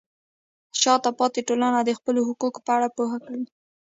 شاته پاتې ټولنه د خپلو حقونو په اړه پوهه کوي.